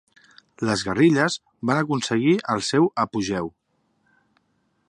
Les guerrilles van aconseguir el seu apogeu.